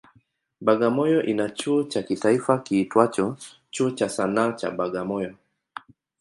Bagamoyo ina chuo cha kitaifa kiitwacho Chuo cha Sanaa cha Bagamoyo.